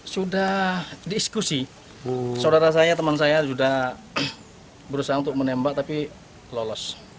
sudah diskusi saudara saya teman saya sudah berusaha untuk menembak tapi lolos